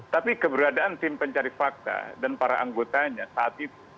tapi keberadaan tim pencari fakta dan para anggotanya saat itu